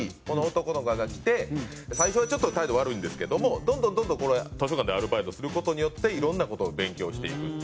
この男の子が来て最初はちょっと態度悪いんですけどもどんどんどんどんこれ図書館でアルバイトする事によっていろんな事を勉強していく。